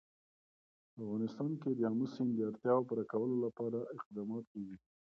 په افغانستان کې د آمو سیند د اړتیاوو پوره کولو لپاره اقدامات کېږي.